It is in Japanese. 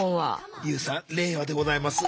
ＹＯＵさん令和でございます。